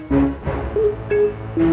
bukan mau jual tanah